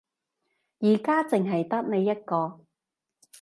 而家淨係得你一個